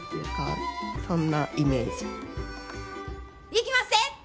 いきまっせ！